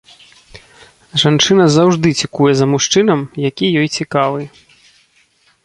Жанчына заўжды цікуе за мужчынам, які ёй цікавы.